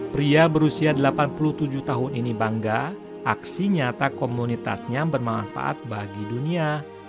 pria berusia delapan puluh tujuh tahun ini bangga aksi nyata komunitasnya bermanfaat bagi dunia